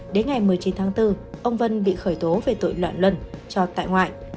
đến ngày một mươi chín tháng bốn ông vân bị khởi tố về tội loạn luân cho tại ngoại